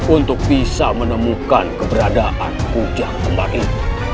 untuk bisa menemukan keberadaan hujan kemarin